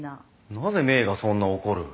なぜ芽衣がそんな怒る？